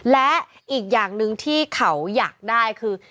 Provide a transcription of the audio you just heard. และอีกอย่างหนึ่งที่เขาอยากได้คือ